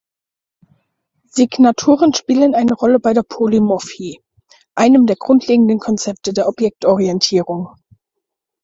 Signaturen spielen eine Rolle bei der Polymorphie, einem der grundlegenden Konzepte der Objektorientierung.